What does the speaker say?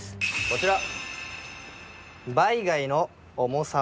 こちら。